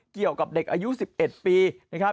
เกี่ยวกับเด็กอายุ๑๑ปีนะครับ